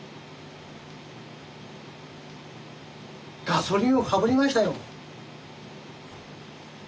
ガソリンをかぶりましたよ。